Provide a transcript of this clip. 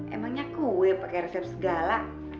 emangnya kue pakai resep segala